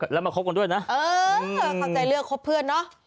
แล้วมาครบกันด้วยนะอืมความใจเรื่องครบเพื่อนเนอะ